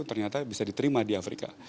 ternyata bisa diterima di afrika